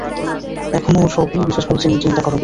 এখন এ-সবই বিশেষভাবে চিন্তা করবার বিষয়।